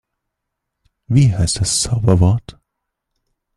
Wie heißt das Zauberwort?